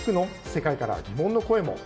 世界からは疑問の声も。